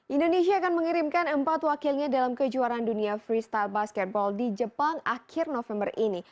indonesia akan mengirimkan empat wakilnya dalam kejuaraan dunia freestyle basketball di jepang akhir november ini